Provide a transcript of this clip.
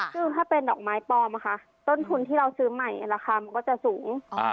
ซึ่งถ้าเป็นดอกไม้ปลอมค่ะต้นทุนที่เราซื้อใหม่ราคามันก็จะสูง